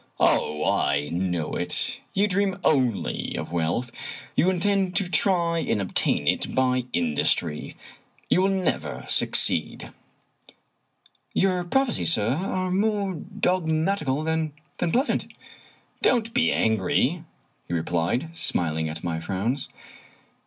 " Oh, I know it. You dream only of wealth. You in tend to try and obtain it by industry. You will never suc ceed." " Your prophecies, sir, are more dogmatical than pleas ant." "Don't be angry," he replied, smiling at my frowns.